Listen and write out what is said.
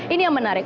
ini yang menarik